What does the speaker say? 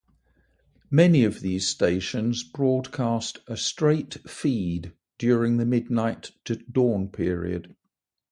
Many of these stations broadcast a straight feed during the midnight to dawn period.